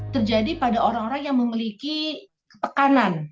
terjadi pada orang orang yang memiliki ketekanan